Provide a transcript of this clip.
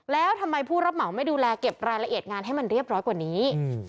แล้วทำไมผู้รับเหมาไม่ดูแลเก็บรายละเอียดงานให้มันเรียบร้อยกว่านี้